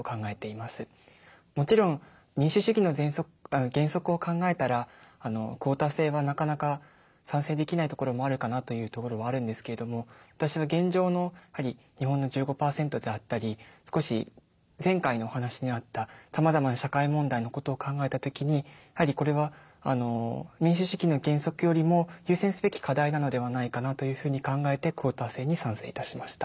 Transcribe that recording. もちろん民主主義の原則を考えたらクオータ制はなかなか賛成できないところもあるかなというところはあるんですけれども私は現状の日本の１５％であったり少し前回のお話にあったさまざまな社会問題のことを考えた時にやはりこれは民主主義の原則よりも優先すべき課題なのではないかなというふうに考えてクオータ制に賛成いたしました。